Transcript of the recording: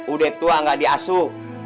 udah tua gak diasuh